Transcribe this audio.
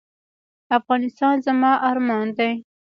افغانستان زما ارمان دی